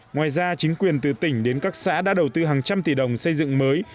ngoài ra chính quyền từ tỉnh đến các xã đã đầu tư hàng trăm tỷ đồng xây dựng mới